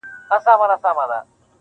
یوه ورځ گوربت زمري ته ویل وروره-